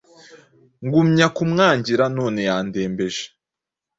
ngumya kumwangira none yandembeje,